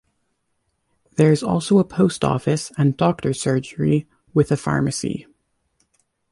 There is also a post office and doctors' surgery with a pharmacy.